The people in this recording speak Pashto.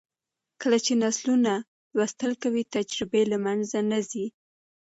کله چې نسلونه لوستل کوي، تجربې له منځه نه ځي.